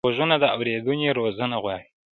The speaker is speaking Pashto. غوږونه د اورېدنې روزنه غواړي